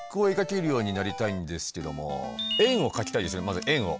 まず円を。